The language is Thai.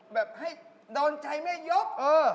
ได้ยังให้โดนชายแม่ยพ